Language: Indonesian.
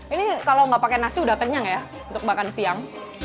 ini kalau nggak pakai nasi udah kenyang ya untuk makan siang